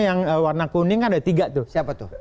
yang warna kuning kan ada tiga tuh